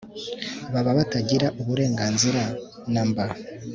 baba batagira uburenganzira namba